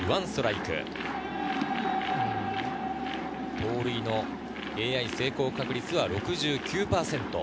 盗塁のＡＩ成功確率は６９％。